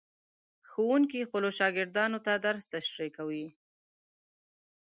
ښوونکي خپلو شاګردانو ته درس تشریح کوي.